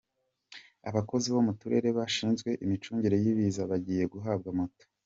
Abakozi bo mu turere bashinzwe imicungire y’ibiza bagiye guhabwa moto